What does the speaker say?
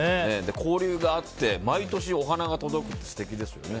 交流があって毎年お花が届くって素敵ですよね。